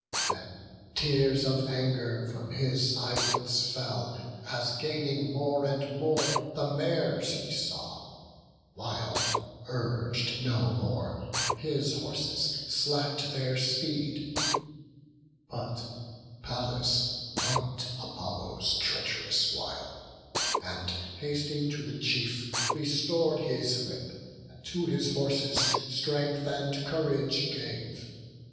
Then tears of anger from his eyelids fell, As gaining more and more the mares he saw, While, urg'd no more, his horses slack'd their speed. But Pallas mark'd Apollo's treach'rous wile; And hasting to the chief, restor'd his whip, And to his horses strength and courage gave.